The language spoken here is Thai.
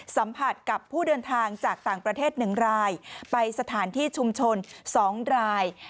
สัมผัสกับผู้เดินทางจากต่างประเทศ๑รายไปสถานที่ชุมชน๒ราย